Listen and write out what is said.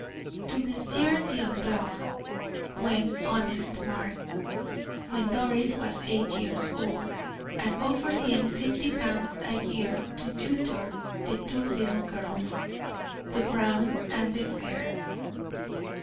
To Monsieur D'Anvers went honest Mark, when Doris was eight years old, and offered him fifty pounds a year to tutor the two little girls, the brown and the fair.